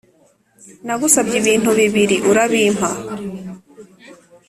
Nagusabye ibintu bibiri urabimpa